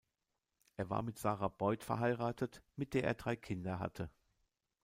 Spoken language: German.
Er war mit Sara Boyd verheiratet, mit der er drei Kinder hatte.